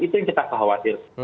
itu yang kita khawatir